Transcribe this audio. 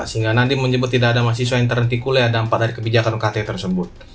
sehingga nadiem menyebut tidak ada mahasiswa yang terhenti kuliah dalam empat hari kebijakan ukt tersebut